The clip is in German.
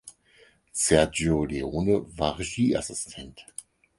Sergio Leone war Regieassistent.